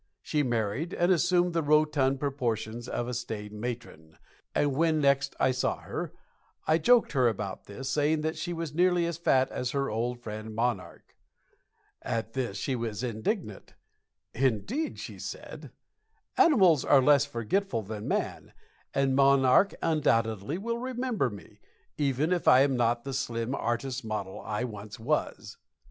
She married and assumed the rotund proportions of a staid matron, and when next I saw her I joked her about this, saying that she was nearly as fat as her old friend "Monarch." At this she was indignant. "Indeed," she said, "animals are less forgetful than man, and 'Monarch' undoubtedly will remember me, even if I am not the slim artist's model I once was."